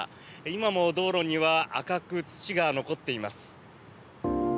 今も道路には赤く土が残っています。